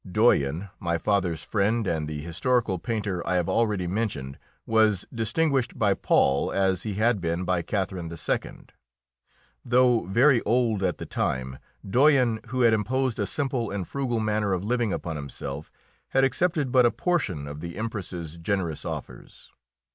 Doyen, my father's friend and the historical painter I have already mentioned, was distinguished by Paul as he had been by Catherine II. Though very old at the time, Doyen, who had imposed a simple and frugal manner of living upon himself, had accepted but a portion of the Empress's generous offers.